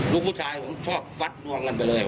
ลูกผู้ชายผมชอบฟัดนวงกันไปเลย